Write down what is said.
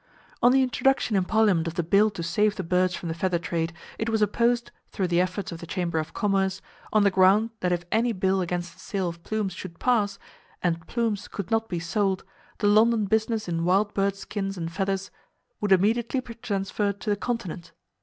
On the introduction in Parliament of the bill to save the birds from the feather trade, it was opposed (through the efforts of the Chamber of Commerce), on the ground that if any bill against the sale of plumes should pass, and plumes could not be sold, the London business in wild bird skins and feathers "would immediately be transferred to the continent!"